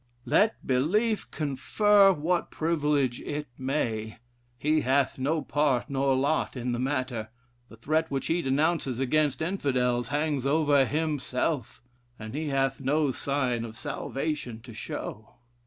Let belief confer what privilege it may, he hath no part nor lot in the matter; the threat which he denounces against Infidels hangs over himself, and he hath no sign of salvation to show.